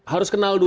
harus kenal dulu